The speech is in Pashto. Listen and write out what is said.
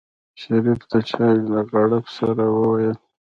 شريف د چای له غړپ سره وويل.